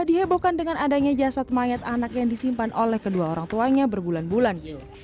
dihebohkan dengan adanya jasad mayat anak yang disimpan oleh kedua orang tuanya berbulan bulan